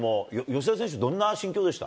吉田選手、どんな心境でした？